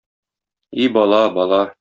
И бала, бала...